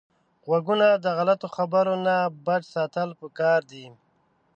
غوږونه د غلطو خبرو نه بچ ساتل پکار دي